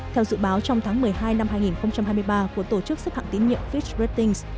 theo dự báo trong tháng một mươi hai năm hai nghìn hai mươi ba của tổ chức sức hạng tín nhiệm fitch ratings